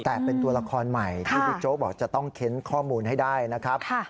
แต่เป็นตัวละครใหม่ที่บิ๊กโจ๊กบอกจะต้องเค้นข้อมูลให้ได้นะครับ